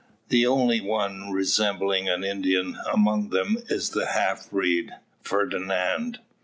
The only one resembling an Indian among them is the half breed Fernand.